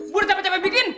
buat siapa siapa bikin